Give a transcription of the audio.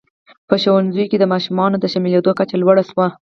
په ښوونځیو کې د ماشومانو د شاملېدو کچه لوړه شوه.